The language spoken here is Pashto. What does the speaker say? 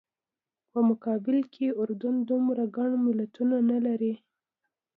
په مقابل کې اردن دومره ګڼ ملتونه نه لري.